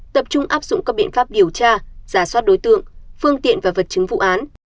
tập trung áp dụng các biện pháp điều tra giả soát đối tượng phương tiện và vật chứng vụ án